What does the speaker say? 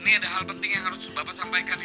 ini ada hal penting yang harus bapak sampaikan